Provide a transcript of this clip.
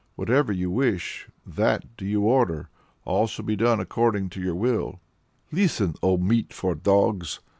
Whatever you wish, that do you order: all shall be done according to your will!" "Listen, O meat for dogs!"